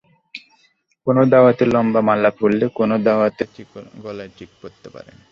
কোনো দাওয়াতে লম্বা মালা পরলে, কোনো দাওয়াতে গলায় চিক পরতে পারেন।